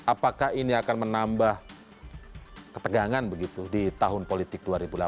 apakah ini akan menambah ketegangan begitu di tahun politik dua ribu delapan belas